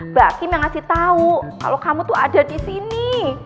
mbak kim yang ngasih tahu kalau kamu tuh ada di sini